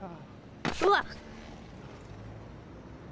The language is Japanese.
うわっ！